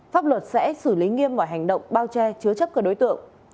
pháp luật sẽ xử lý nghiêm mọi hành động bao che chứa chấp các đối tượng